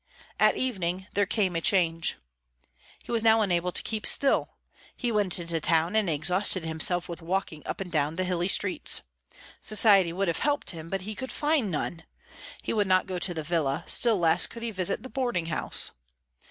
At evening there came a change. He was now unable to keep still; he went into the town, and exhausted himself with walking up and down the hilly streets. Society would have helped him, but he could find none. He would not go to the villa; still less could he visit the boarding house.